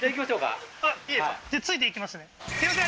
すいません